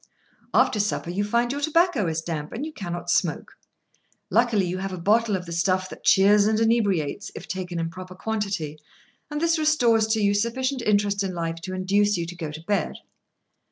After supper, you find your tobacco is damp, and you cannot smoke. Luckily you have a bottle of the stuff that cheers and inebriates, if taken in proper quantity, and this restores to you sufficient interest in life to induce you to go to bed.